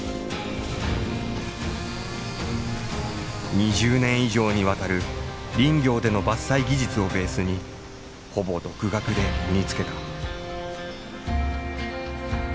２０年以上にわたる林業での伐採技術をベースにほぼ独学で身につけた。